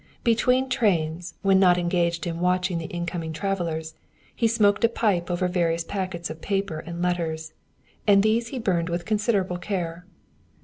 Between trains, when not engaged in watching the incoming travelers, he smoked a pipe over various packets of papers and letters, and these he burned with considerable care.